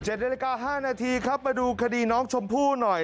นาฬิกา๕นาทีครับมาดูคดีน้องชมพู่หน่อย